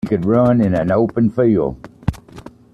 He could run in the open field.